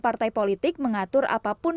partai politik mengatur apapun